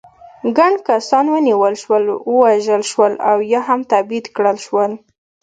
ګڼ کسان ونیول شول، ووژل شول او یا هم تبعید کړل شول.